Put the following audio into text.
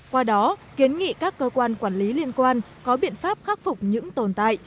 qua đó kiến nghị các cơ quan quản lý liên quan có biện pháp khắc phục những tồn tại